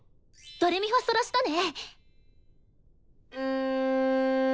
ドレミファソラシドね！